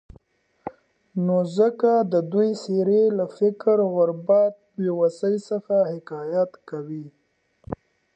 نو ځکه د دوي څېرې له فقر، غربت ، بېوسي، څخه حکايت کوي.